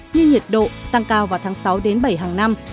như nhiệt độ tăng cao vào tháng sáu đến bảy hàng năm